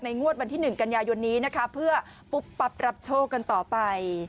งวดวันที่๑กันยายนนี้นะคะเพื่อปุ๊บปั๊บรับโชคกันต่อไป